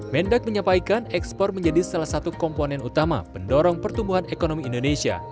mendak menyampaikan ekspor menjadi salah satu komponen utama pendorong pertumbuhan ekonomi indonesia